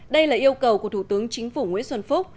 đây là yêu cầu của thủ tướng chính phủ nguyễn xuân phúc